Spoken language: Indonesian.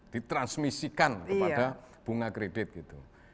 ditransmisikan kepada bunga kredit gitu